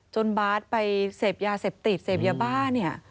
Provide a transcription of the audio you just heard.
บาทไปเสพยาเสพติดเสพยาบ้าเนี่ย